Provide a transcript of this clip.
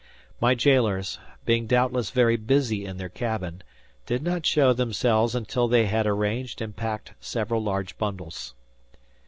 My jailers, being doubtless very busy in their cabin, did not show themselves until they had arranged and packed several large bundles.